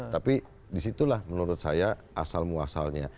tapi disitulah menurut saya asal muasalnya